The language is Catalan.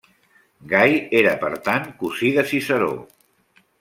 Gai era, per tant cosí de Ciceró.